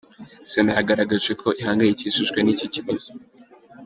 Sena yagaragaje ko ihangayikishijwe n’iki kibazo.